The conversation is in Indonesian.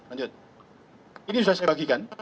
lanjut ini sudah saya bagikan